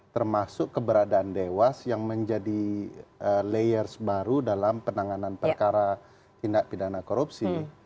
termasuk keberadaan dewas yang menjadi layers baru dalam penanganan perkara tindak pidana korupsi